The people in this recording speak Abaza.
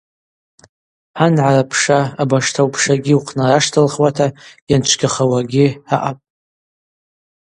Ангӏара пша абаштау пшагьи ухънараштылхуата йанчвгьахауагьи аъапӏ.